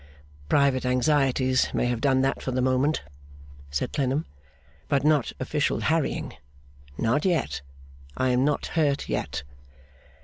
'Private anxieties may have done that for the moment,' said Clennam, 'but not official harrying. Not yet. I am not hurt yet.